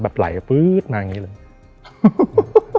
ไหลปื๊ดมาอย่างนี้เลย